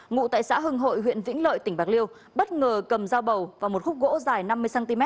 ngụ tại xã hưng hội huyện vĩnh lợi tỉnh bạc liêu bất ngờ cầm dao bầu và một khúc gỗ dài năm mươi cm